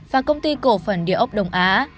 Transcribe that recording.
và công ty cổ phần điều ốc đông á